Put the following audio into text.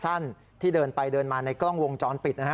เชื้อขาวกางเกงขาสั้นที่เดินไปเดินมาในกล้องวงจรปิด